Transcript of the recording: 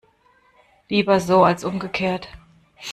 Lieber so als umgekehrt.